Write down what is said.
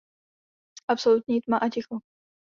Absolutní tma a ticho.